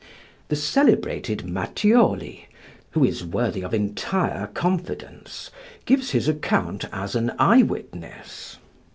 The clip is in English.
The celebrated Matthioli, who is worthy of entire confidence, gives his account as an eye witness.